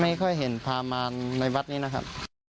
ไม่ค่อยเห็นพามารในวัดนี้นะครับ